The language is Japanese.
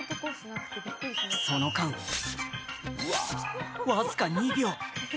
その間、わずか２秒。